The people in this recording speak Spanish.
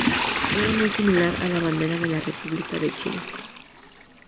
Era muy similar a la bandera de la República de China.